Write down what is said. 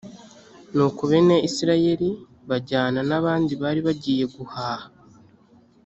nuko bene isirayeli bajyana n abandi bari bagiye guhaha.